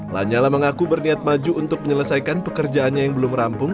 lanyala mengaku berniat maju untuk menyelesaikan pekerjaannya yang belum rampung